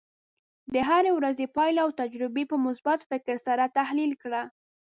د هرې ورځې پایله او تجربې په مثبت فکر سره تحلیل کړه.